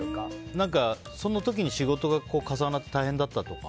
何か、その時に仕事が重なって大変だったとか。